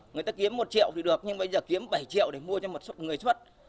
người ta kiếm một triệu thì được nhưng bây giờ kiếm bảy triệu để mua cho một người xuất